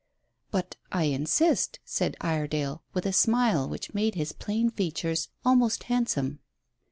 "But I insist," said Iredale, with a smile which made his plain features almost handsome.